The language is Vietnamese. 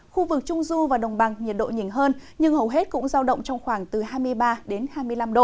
khu vực trung du và đồng bằng nhiệt độ nhìn hơn nhưng hầu hết cũng giao động trong khoảng từ hai mươi ba đến hai mươi năm độ